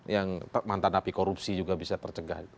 yang mantan api korupsi juga bisa tercegah